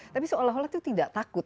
tapi seolah olah itu tidak takut